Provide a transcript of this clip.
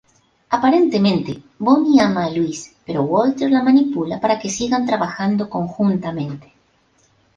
Aparentemente, Bonnie ama a Luis, pero Walter la manipula para que sigan trabajando conjuntamente.